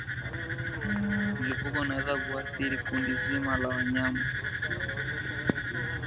Mlipuko unaweza kuathiri kundi zima la wanyama